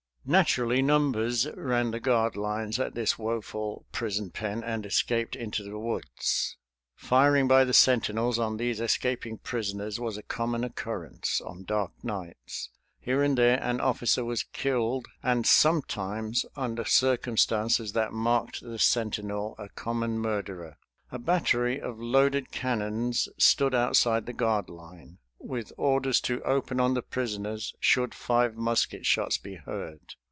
Naturally, numbers ran the guard lines at this woeful prison pen and escaped into the woods. Firing by the sentinels on these escaping prisoners was a common occurrence on dark nights. Here and there an officer was killed, and sometimes under circumstances that marked the sentinel a common murderer. A battery of loaded cannons stood outside the guard line, with orders to open on the prisoners should five musket shots be heard.